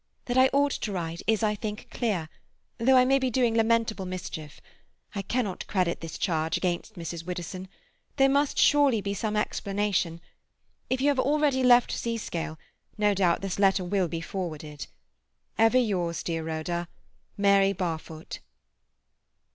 That I ought to write is, I think, clear—though I may be doing lamentable mischief. I cannot credit this charge against Mrs. Widdowson; there must surely be some explanation. If you have already left Seascale, no doubt this letter will be forwarded.—Ever yours, dear Rhoda, MARY BARFOOT."